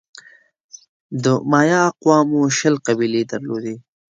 د مایا اقوامو شل قبیلې درلودې.